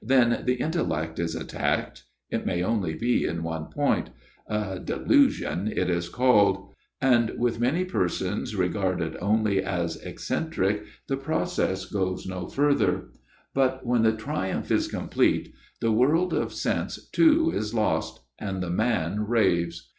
Then the intellect is attacked it may only be in one point a ' delusion ' it is called ; and with many persons regarded only as eccentric 132 A MIRROR OF SHALOTT the process goes no further. But when the triumph is complete, the world of sense too is lost and the man raves.